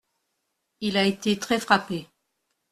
Il a été très frappé.